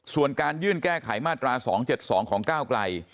ส่วนการยื่นแก้ไขมาตรา๒๗๒ของก้าวไกล